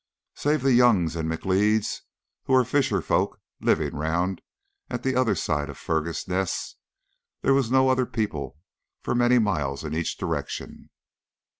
Save the Youngs and the M'Leods, who were fisher folk living round at the other side of Fergus Ness, there were no other people for many miles in each direction.